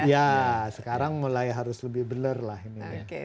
ya sekarang mulai harus lebih beler lah ini